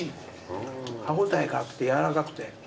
歯応えがあって軟らかくて。